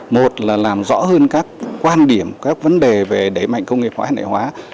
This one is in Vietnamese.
một là làm rõ hơn các quan điểm các vấn đề về đẩy mạnh công nghiệp hóa đại hóa